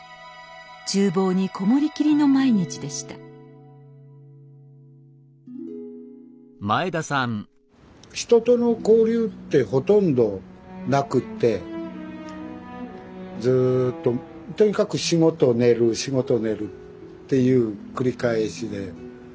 厨房に籠もりきりの毎日でした人との交流ってほとんどなくってずっととにかく仕事寝る仕事寝るっていう繰り返しで。